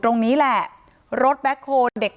ที่มีข่าวเรื่องน้องหายตัว